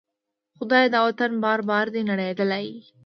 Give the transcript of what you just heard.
خدایه! دا وطن بار بار دی نړیدلی